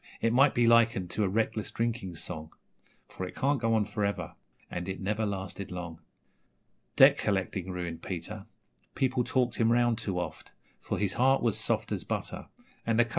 it might be likened to a reckless drinking song, For it can't go on for ever, and it never lasted long. ..... Debt collecting ruined Peter people talked him round too oft, For his heart was soft as butter (and the Co.'